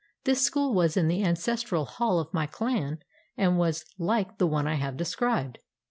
This school was in the ancestral hall of my clan and was like the one I have described.